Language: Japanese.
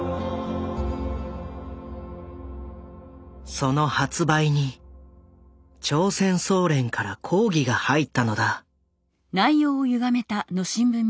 その発売に朝鮮総連から抗議が入ったのだ。